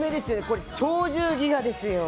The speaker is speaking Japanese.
これ「鳥獣戯画」ですよ。